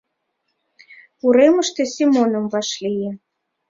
Уремыште Семоным вашлие.